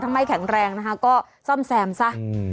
ถ้าไม่แข็งแรงนะคะก็ซ่อมแซมซะ